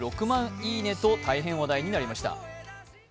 いいねと大変話題になりました。